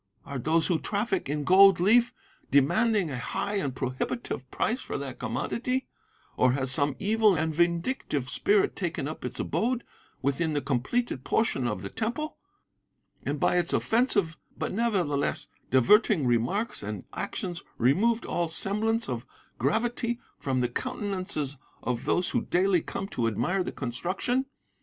Are those who traffic in gold leaf demanding a high and prohibitive price for that commodity, or has some evil and vindicative spirit taken up its abode within the completed portion of the Temple, and by its offensive but nevertheless diverting remarks and actions removed all semblance of gravity from the countenances of those who daily come to admire the construction?